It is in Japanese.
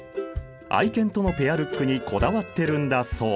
愛犬とのペアルックにこだわってるんだそう。